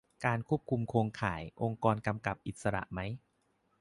การควบคุมโครงข่าย องค์กรกำกับอิสระไหม